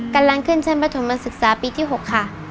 กำลังขึ้นชั้นประถมศึกษาปีที่๖ค่ะ